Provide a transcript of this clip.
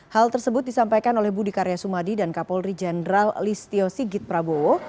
hal tersebut disampaikan oleh budi karya sumadi dan kapolri jenderal listio sigit prabowo